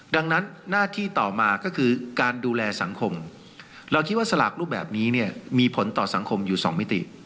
ดังนั้นหน้าที่ต่อมาก็คือการดูแลสังคมเราคิดว่าสลากรูปแบบนี้เนี่ยมีผลต่อสังคมอยู่สองมิติ